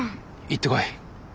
行ってこい。